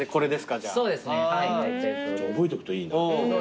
じゃあ覚えとくといいな。